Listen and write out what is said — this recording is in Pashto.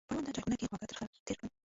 په اړونده چایخونه کې خواږه ترخه تېر کړل.